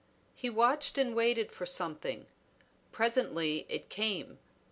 He watched and waited for something; presently it came.